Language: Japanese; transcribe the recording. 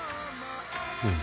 うん。